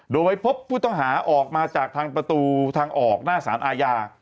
โดยเว้ยพบผู้ทหารออกมาจากประตูทางออกหน้าสารอาญา